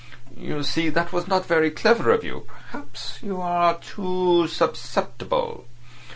"You see, that was not very clever of you. Perhaps you are too susceptible."